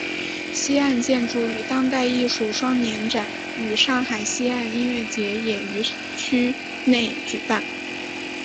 西岸建筑与当代艺术双年展与上海西岸音乐节也于区内举办。